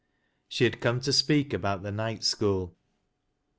She had come to speak aboui the night school.